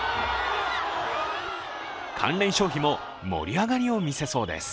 関連消費も盛り上がりを見せそうです。